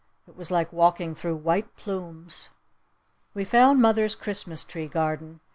It was like walking through white plumes. We found mother's Christmas tree garden.